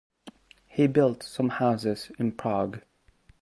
He built some houses in Prague.